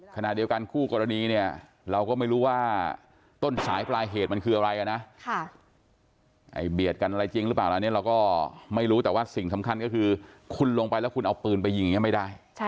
ขณะเดียวกันกู้กรณีเนี่ยเราก็ไม่รู้ว่าต้นสายปลายเหตุมันคืออะไรนะ